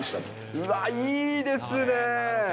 うわっ、いいですね。